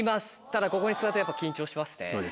ただここに座るとやっぱ緊張しますね。